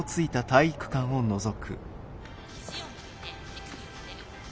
「肘を曲げて手首を立てる。